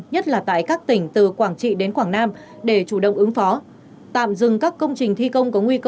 nhất là tại các tỉnh từ quảng trị đến quảng nam để chủ động ứng phó